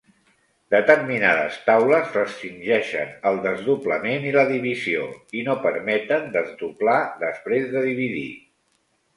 Determinades taules restringeixen el desdoblament i la divisió, i no permeten desdoblar després de dividir.